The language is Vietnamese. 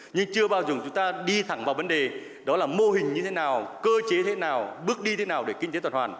nhưng chưa bao giờ chúng ta đi thẳng vào vấn đề đó là mô hình như thế nào cơ chế thế nào bước đi thế nào để kinh tế tuần hoàn